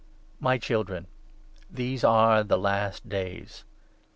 My Children, these are the last days.